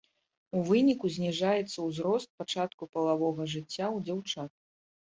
У выніку зніжаецца ўзрост пачатку палавога жыцця ў дзяўчат.